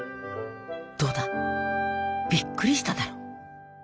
どうだびっくりしただろ。